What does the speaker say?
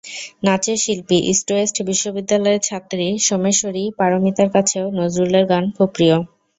নাচের শিল্পী, ইস্টওয়েস্ট বিশ্ববিদ্যালয়ের ছাত্রী সোমেশ্বরী পারমিতার কাছেও নজরুলের গান খুব প্রিয়।